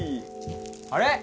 あれ？